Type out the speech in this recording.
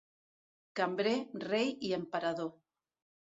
Cambrer, rei i emperador.